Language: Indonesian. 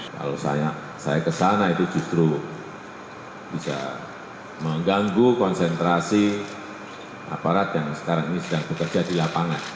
kalau saya kesana itu justru bisa mengganggu konsentrasi aparat yang sekarang ini sedang bekerja di lapangan